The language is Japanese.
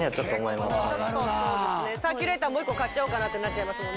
サーキュレーターもう１個買っちゃおうかなってなっちゃいますもんね。